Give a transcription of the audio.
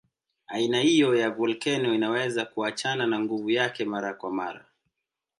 Aina hiyo ya volkeno inaweza kuachana na nguvu yake mara kwa mara.